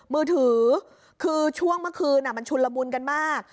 มือถือคือช่วงเมื่อคืนมันชุนละมุนกันมาก